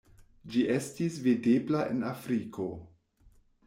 Ĝi estis videbla en Afriko.